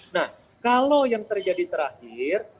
nah kalau yang terjadi terakhir